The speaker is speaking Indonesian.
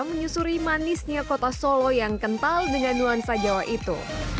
menyusuri manisnya kota solo yang kental dengan nuansa jawa itu